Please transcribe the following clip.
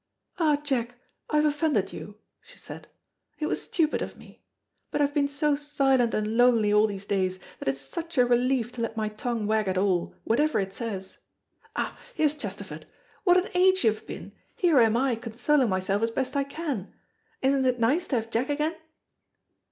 "Ah, Jack, I have offended you," she said; "it was stupid of me. But I have been so silent and lonely all these days, that it is such a relief to let my tongue wag at all, whatever it says. Ah, here's Chesterford. What an age you have been! Here am I consoling myself as best I can. Isn't it nice to have Jack again?"